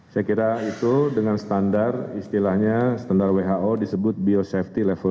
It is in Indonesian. saya kira itu dengan standar istilahnya standar who disebut biosafety level dua